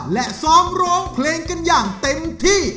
และซ้อมร้องเพลงกันอย่างเต็มที่